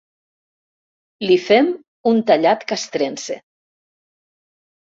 Li fem un tallat castrense.